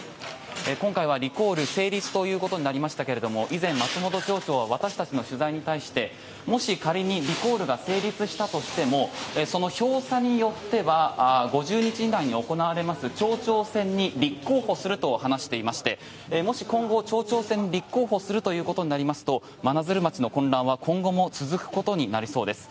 今回はリコール成立ということになりましたけれども以前、松本町長は私たちの取材に対してもし仮にリコールが成立したとしてもその票差によっては５０日以内に行われます町長選に立候補すると話していましてもし今後、町長選に立候補するということになりますと真鶴町の混乱は今後も続くことになりそうです。